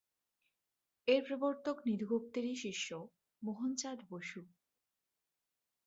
এর প্রবর্তক নিধু গুপ্তেরই শিষ্য মোহনচাঁদ বসু।